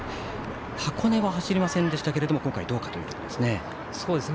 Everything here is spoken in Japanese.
箱根は走りませんでしたが今回どうかということですね。